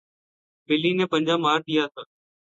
بلی نے پنجہ مار دیا تھا